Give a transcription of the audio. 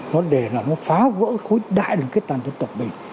nó để nó phá vỡ khối đại đường kết tàn dân tập bình